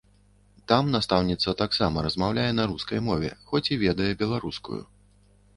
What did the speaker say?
Там настаўніца таксама размаўляе на рускай мове, хоць і ведае беларускую.